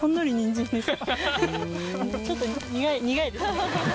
ちょっと苦い苦いです。